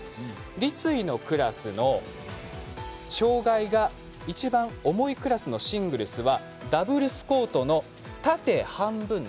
立位のクラスの障がいが一番重いクラスのシングルスはダブルスコートの縦半分だけを使います。